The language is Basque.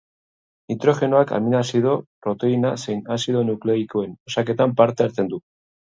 Nitrogenoak aminoazido, proteina zein azido nukleikoen osaketan parte hartzen du.